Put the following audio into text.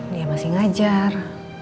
dia masih ngajar